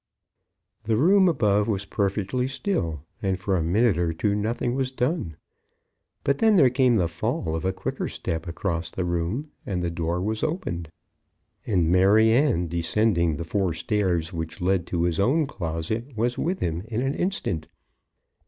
The room above was perfectly still, and for a minute or two nothing was done. But then there came the fall of a quicker step across the room, and the door was opened, and Maryanne, descending the four stairs which led to his own closet, was with him in an instant.